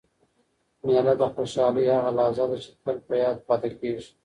مېله د خوشحالۍ هغه لحظه ده، چي تل په یاد پاته کېږي.